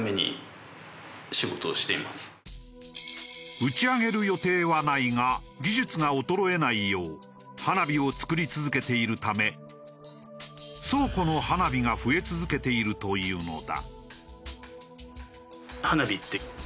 打ち上げる予定はないが技術が衰えないよう花火を作り続けているため倉庫の花火が増え続けているというのだ。